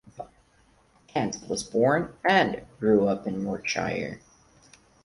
Kent was born and grew up in Yorkshire.